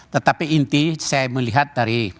tetapi inti saya melihat dari